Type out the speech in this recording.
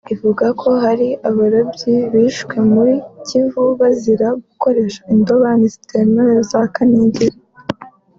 ivuga ko hari abarobyi bishwe mu Kivu bazira gukoresha indobani zitemewe za kaningiri